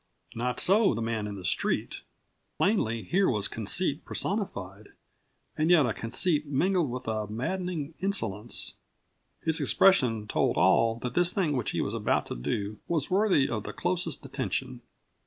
Not so the man in the street. Plainly, here was conceit personified, and yet a conceit mingled with a maddening insolence. His expression told all that this thing which he was about to do was worthy of the closest attention.